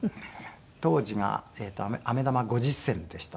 当時がアメ玉５０銭でした。